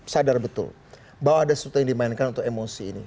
sadar betul bahwa ada sesuatu yang dimainkan untuk emosi ini